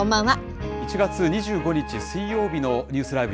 １月２５日水曜日のニュースＬＩＶＥ！